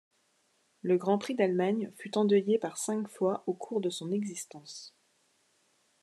Le Grand Prix d'Allemagne fut endeuillé par cinq fois au cours de son existence.